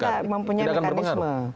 kita mempunyai mekanisme